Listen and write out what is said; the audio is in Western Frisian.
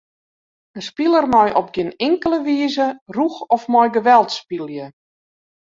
In spiler mei op gjin inkelde wize rûch of mei geweld spylje.